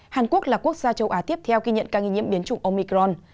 hàn quốc là quốc gia châu á tiếp theo ghi nhận ca nghi nhiễm biến chủng omicron